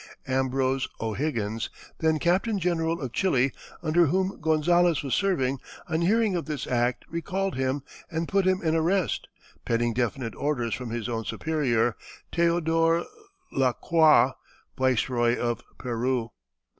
Ambrose O'Higgins, then captain general of Chili, under whom Gonzales was serving, on hearing of this act recalled him and put him in arrest, pending definite orders from his own superior, Teodor Lacroix, viceroy of Peru.